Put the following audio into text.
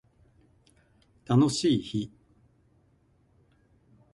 楽しい日